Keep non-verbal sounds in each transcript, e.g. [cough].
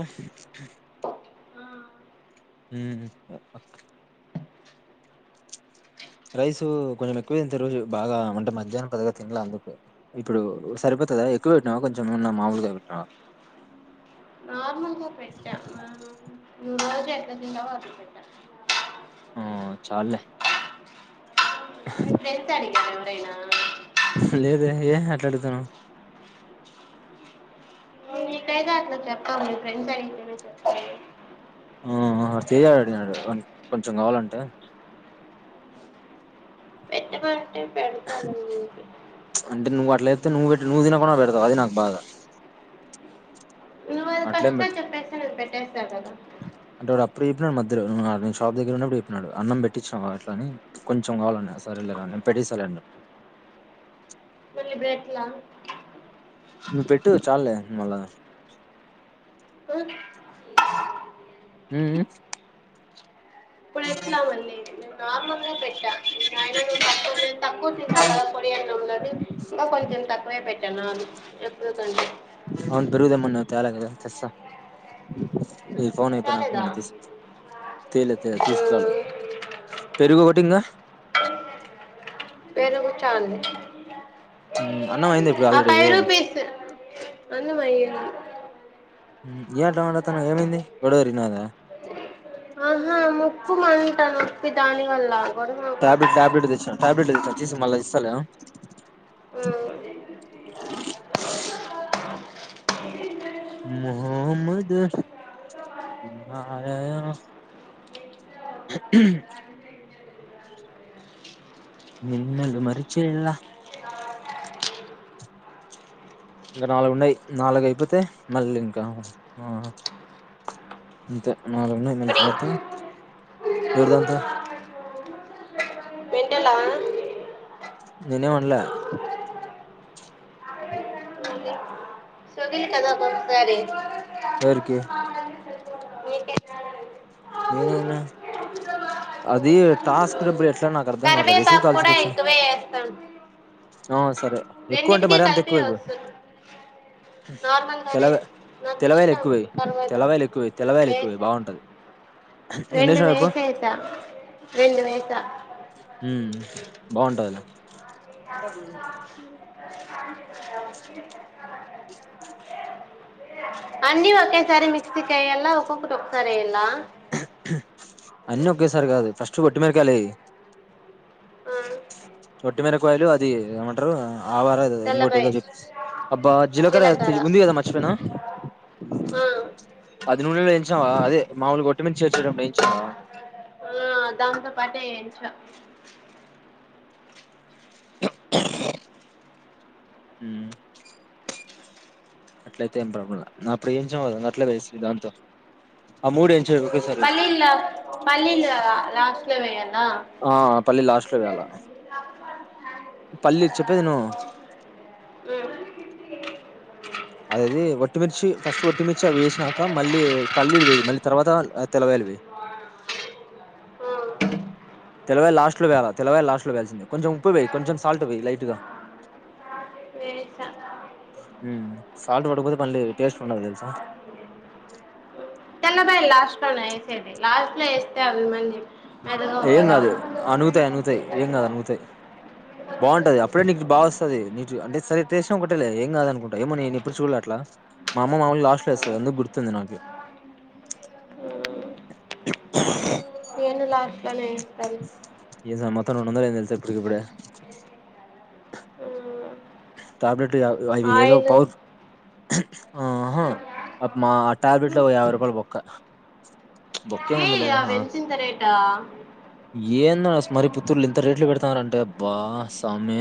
హ ఆ హ్మ్ ఆ హా రైస్ కొంచెం ఎక్కువంత రోజు బాగా వంట. మధ్యాహ్నం గాద తిన్ల అందుకు. ఇప్పుడు సరిపోతదా ఎక్కువ పెట్టినావా, కొంచెం వున్న మామూలుగా పెట్టిన్వా. నార్మల్గా పెట్టా ఆ, నువ్వు రోజు ఎట్లా తింటావో అట్లా పెట్ట ఆహ్ చల్లే మీ ఫ్రెండ్స్ అడిగరేమన్నా. దైనా లేదే ఏ అట్లా అడుగుతన్నవ్ మీకైతే అట్లా చెప్పాము. మీ ఫ్రెండ్స్ అడిగితేనే చెప్తాము ఆ వాడ్ చెయ్ గాడ్ అడిగినాడు వానిక్ కొంచెం కావాలంటే ఎట్పో అంటే నువ్వు అట్లయితే నువ్వు పెట్టి నువ్వు తిన కూన పెడతావ్ అది నాకు బాధ నువ్ అది అట్లేం ఫస్టే పెట్ట చెప్పేస్తే నే పెట్టేస్తా గాదా చెప్పినడు మధ్య నేను షాప్ దగ్గర ఉన్నప్పుడు చెప్పినాడు అన్నం పెట్టించినా. అట్లా అని కొంచెం కావాలండి సరే నే పెట్టటిస్తాలండి. మళ్లీ ఇప్పుడేట్లా. ను పెట్టు చాల్లే మల్లా ఆహ్ హ్మ్మ్ ఇప్పుడు ఎట్లా మళీ నార్మల్ గా పెట్టా. నిన్నయినా నువ్ తక్కువ నే తక్కువ తింటావ్ కదా. [unintelligible] కొడి అనంలోనే ఇంకా కొంచెం తక్కువే పెట్టా. జనాలు ఎప్పుడుకంటే అవును పెరుగుదేమన్న తేలే గదా తెస్స ఈ ఫోన్ అయిపోయినాక రాలేదా మళ్ళీసుక్. తేలేతేల ఆ, తీసుకురాల పెరుగు ఒకటి ఇంగ చల్లే అన్నం అయింది ఇప్పుడు ఆ ఆల్రెడీ ఫైవ్ ఏ రూపీస్ అందు మై హ్మ్ ఏ అట్లా మాటతన ఏమైంది గోడవరినాద ఆహా ముక్కు మంటా నొప్పి దాని వల్ల గొడవ కాదు ట్యాబ్లేట్ టాబ్లేట్ తెచ్నా టబ్లేట్ తీసుకపో మల్ల ఇస్స లే ఓ హ్మ్ మొహమ్మద్ మ్మ్ ఆయా నిన్నలు మరిచేలా ఇంకా నాలుగు ఉన్నాయి. నాలుగు అయిపోతే మళ్ళీ ఇంకా ఆ అంతే. నాలుగు ఉన్నాయి మళ్ళీ తర్వాత ఎవరిదాంతా. వింటలా నినేే మనలే సగిల్ కద కొసారి సరికి మీకే నేన ఉన్నా అది టాస్ కూడా బ కరివేపాకు కూడా ఎక్కువే వేస్తాం సరే ఎక్కువ అంటే రెండిటికి మరి అంత కలిపి ఎక్కువకు వస్తుంది నార్మల్ గానే తెలవ నాకు తెలవాయలు ఇష్టం ఎక్కువే కరివేపాకు తెల్లవాయలు ఎక్కువ తెల్లవాయలు ఎక్కువే వేసా బాగుంటది రెండు ఎన్నేసినవ్ చెప్పు వేసేస రెండు వేస ఉమ్ బాగుంటదిలే అండీ ఒకేసారి మిక్స కయ ఎలా ఒక్కొకటి ఒకసార ఇలా అన్ని ఒకేసారి కాదు ఫస్ట్ ఒట్టి మిరపకాయలు వేయి ఆ యలు అది ఏమంటారు ఆవారదా ఇంకోటి ఏదో తెల్లపాయ చె అబ్బా జీలకర జీలకర్ర ఉంది కదా మర్చిపోయినా ఆ పది నునె వయించావా అదే మాముూలు గట్టిమించ చేర్చయడం వేయించావా ఆ దాంతో పాటే వేయించా అ అట్లయితే ఏం ప్రల నా ప్రడు ఏంచం అద అట్లా బేస్ దాంతో ఆ మూడు వేయించేయ్ ఒకేసారి పల్లిల పల్లీల్ లక్ ఉత్తవేయాలి ఆ పల్లిల్ లాస్ట్ లో వేయాలా పల్లీ చెప్పేది విను హ్మ్ అదేది ఒట్టిమిర్చి ఫస్ట్ ఒట్టిమిర్చి వేసినాక మళ్ళీ పల్లీలు వేయ్ మళ్ళీ తర్వాత తెలవాయిల్ వెయ్ ఉమ్ తెలవయిల్ లాస్ట్ లో వేయాలా తెలవయిల్ లాస్ట్ లో వేయాల్సింది కొంచెం ఉప్పు వెయ్ కొంచెం సాల్ట్ వెయ్ లైటుగా తెలభయల్ లాస్ట్ లోన వేసేది లాస్ట్ అట్లు వేస్తే యాబై మంది ఏం కాదు అనగుతాయి అనతాయ్ ఏం కాదు అనగుతాయ్ బాగుంటది అప్పుడే నీకు బావస్తది నీటుగా అంటే అంటే ఏంటిసిన ఒకటేలే ఏం కాదు అనుకుం ఏమో నేను ఎప్పుడు చూడల అట్లా మా అమ్మ మాములుగా లాస్ట్ లో వేస్తాది అందుకు గుర్తుంది నాకు నేను లాస్టులనే పరిప్ ఉత్త రెండు వందలు అయింది తెల్సా ఇప్పటికి ఇప్పుడే అ టాబ్లెట్ అవి ఏదో పవర్ఫుల్ ఆహా మా ఆ టాబ్లెట్కి ఒక యాభై రూపాయలు బొక్క ఏ బొక్కేముందిలే అవి ఎంతింత రేటా ఏందో అస్సల్ మరి పుత్తూరులు ఇంత రేట్లు పెడతున్నార్ యబ్బ సామీ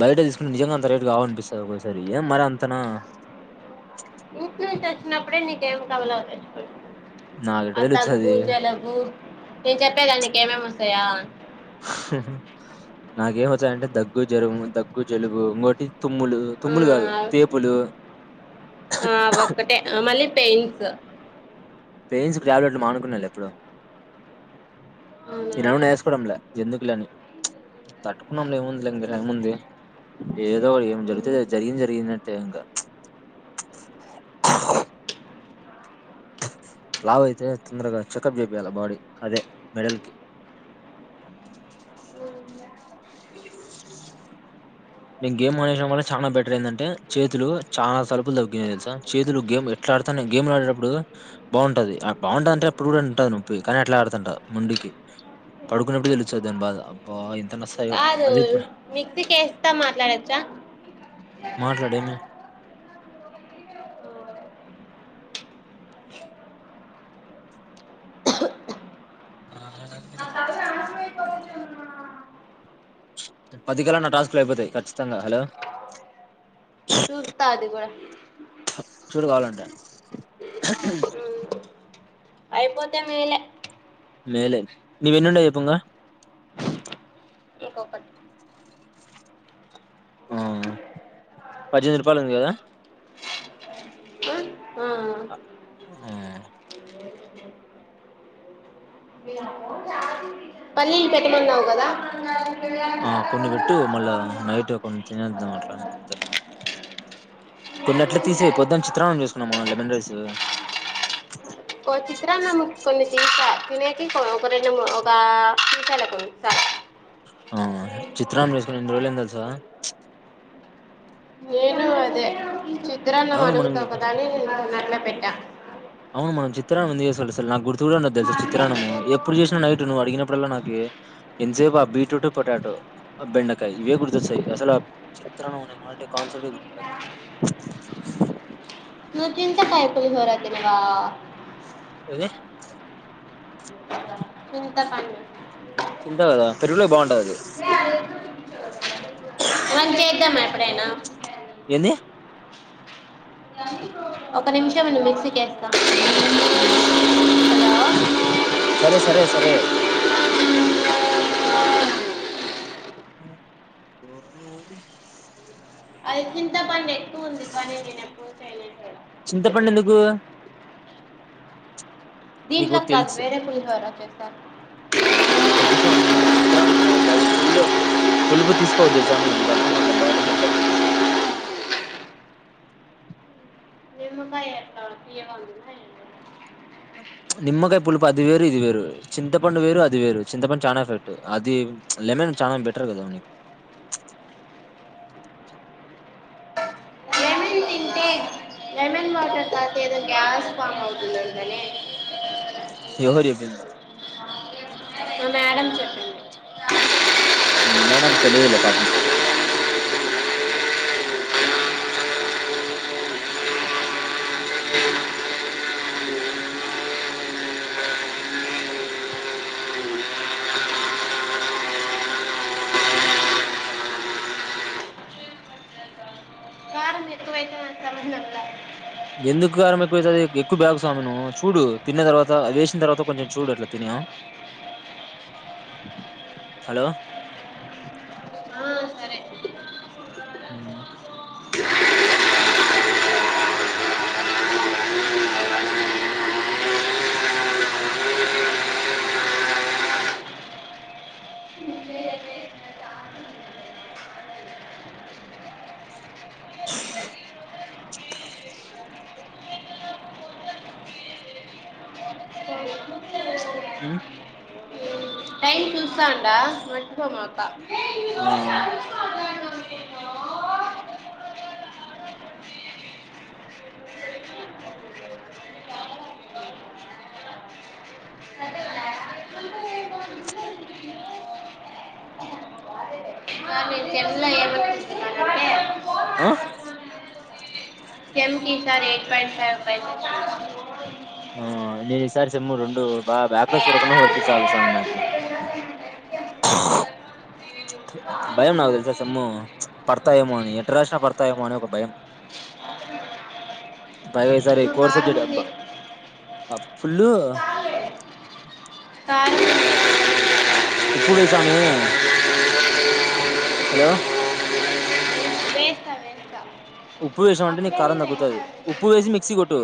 బయట తీసుకుంటే నిజంగా అంత రేట్ కావనిపిస్తాది ఒకసారి ఎం మరి అంతనా ఇంటి నుంచి వచ్చినప్పుడే నీకేం కావాలో అవి తెచ్చుపెట్టుకో నాకెటతెలస్తది నేను చెప్పేదాన్ని నీకేమేమి వస్తాయా హ్మ్ నాకేమవుతాయంటే దగ్గు జ్వరము దగ్గు జలుబు ఇంకోటి తుమ్ములు తుమ్ములు కాదు హ్మ్ తేపులు ఆ ఒక్కటే మళ్ళీ పెయిన్స్ పెయిన్స్ కు టాబ్లెట్స్లు మనుకున్నలే ఎప్పుడో అవునా ఇనడుమన వేసుకోవడంలే ఎందుకులేని తట్టుకున్నాం లే ఏముంది లే మీరక్ ముందే ఏదో ఒక ఏం జరుగుతే జరిగిన జరిగిందట్టే ఇంకా లావ అయితే తొందరగా చెకప్ చెపిలా బాడిీ అదే మెడల్ కి మేను గేమ్ ఆడిడం వల్ల చాలా బెటర్ ఏంటంటే చేతులు చాలా తలుపులు త్ తెలుసా చేతులు గేమ్ ఎట్లా ఆడుతా గేమ్లు ఆడేటప్పుడు బాగుంటది బాగుంటది అంటే అప్పుడు కూడా ఉంటంది నొప్పి కానీ ఎట్లా ఆడుతంట ముండికి పడుకున్నప్పుడు తెలుస్తుంది దాని బాధ అబ్బ ఎంత న కాదు మిక్సీకిేస్తా మాట్లాడే చ మాట్లాడేమి ఆ పది కలా నా టాస్కులు అయిపోతాయి ఖచ్చితంగా హలో చూస్తా అది కూడా చూడు కావాలంటే అయిపోతే మేలే మేలే నీవి ఎన్ని ఉనాయి చెప్పు ఇంకా ఒక్కోటి పద్దెనిమిది రూపాయలు ఉంది కదా ఆ పల్లీకి పెట్టమన్నావు కదా ఆ కొన్ని పెట్టు మళ్ళా నైట్ కొన్ని తినేద్దాం అట్లాంతే కొన్నిన్నట్లు తీసేయిొద్దున్న చిత్రాంగం చేసుకున్నామా లెమన్ రైస్ ఒక చిత్రాన కొన్ని తీస తినేకి ఒక రెండు ఒక తీసాల కొన్ని స ఆ చిత్రాన్నం చేసుకుని ఎన్ని రోజులు అయిందా తెలుసా నేను అదే చి తరన్నం అవును మనం అడుగుతా ఈ- కదా అని న పెట్ట అవును మనం చిత్రాన్నం చేసి అసలు నాకు గుడ్ చూడండొద్దు సార్ చిత్రాము ఎప్పుడు చేసిన నైటు నువ్ అడిగినప్పుడలా నాకు ఏ ఎంతసేపు ఆ బీట్రూట్ పొటాటో బెండకాయ ఇవే గుర్తొచ్చాయి అసలు ఆ చిత్రాన్నం అనే కాన్సెప్ట్ గుర్ నువ్ తింటే పై పులిహోర ఇంగా దే చింత పండు తింటావు కదా పెరుగులో బాగుంటది అది మనం చేద్దామా ఎప్పుడేనా ఏంది ఒక నిమిషమండి మిక్సికే ఆ సరే సరే సరే అది చింతపండే ఉంది కానీ నేనెప్పుడూ చేయలేదు చింతపండు ఎందుకు నీకు దీంట్లోకి కాదు తెలుసు వేరే పులిహోర చేస్తాను వద్దు స్వామి చిత్రాన్ని తినకూడదు అది ఫుల్ పులుపు తీసుకోదు స్వామి నీకు అర్థం కావట్ల బాడీకి ఎంత పెద్ద ఎన్నున్నాయి అట్లా తియ్యగా ఉందా ఏంది నిమ్మకాయ పులుపు అది వేరు ఇది వేరు చింతపండు వేరు అది వేరు చింతపండు చానా ఎఫెక్ట్ అది లెమన్ చాలా బెటర్ కదా నీకు నేను తింటే లెమన్ వాటర్ తాగితే ఏదో గ్యాస్ ఫామ్ అవుతుంది అంటనే ఎవరు చెప్పింది మా మేడం చెప్పింది మీ మేడంకి తెలీదులే పాపం మీ ఎకువైతే అని చెప్పలే ఎందుకు కారం ఎక్కువైతది ఎక్కువ బ్యాగు సామను చూడు తిన్న తర్వాత వేసిన తర్వాత కొంచెం చూడు అట్లా తిని హలో ఆ సరే ఉ ఉ ఏమో అబ్బా ఆ సార్ నేను సెమ్లో ఏమనుకుంటున్నానంటే ఆ సెమ్కి సార్ [unintelligible] ఆ నేను ఈసారి సెమ్ రెండు బాగా బ్యాక్ లాగ చూడకుండా వర్తించాలి సమి నాకి భయం నాకు తెలుసా సెమ్ పడతాయేమో అని ఎట రాషిన పడతాయేమో అని ఒక భయం బా ఈసారి కోర్ కారం సబ్జెక్ట్ ఉంది అబ్బా ఆ ఫుల్లు కారం ఉప్పు వేయి సామి హలో వేస్తా వేస్తా ఉప్పు వేసాం అంటే నీకు అప్పుడే కారం తగ్గుతది వేస్తాను ఉప్పు వేసి మిక్సీ కొట్టు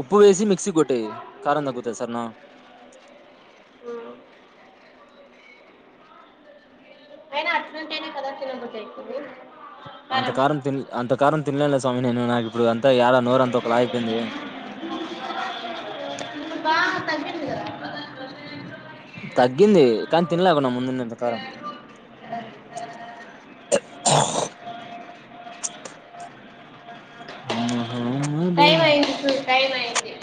ఉప్పు వేసి మిక్సీ కొట్టేయి కారం తగ్గుతాది సరేనా అయినా అట్లుంటేనే కదా తినబుద్ధి అవుతుంది కారం అంతకారం తిన్ అంతకారం తినలేనులే స్వామి నేను నాకిప్పుడు అంత ఎడా నోరు అంత ఒకలా అయిపోయింది ఇప్పుడు బాగా తగ్గింది కదా తగ్గింది కానీ తినలేకుండా ముందున్న అంతకారం ఆహామ్ బ టైం అయింది చూడు టైం అయింది